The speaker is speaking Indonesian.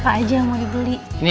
apa aja yang mau dibeli